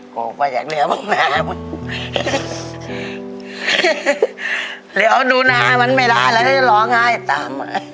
โกกว่าอยากเลี้ยวของแมวมันหรือเอาดูหน้ามันไม่ร้ายแล้วจะร้องไห้ต่ำ